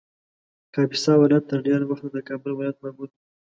کاپیسا ولایت تر ډېر وخته د کابل ولایت مربوط و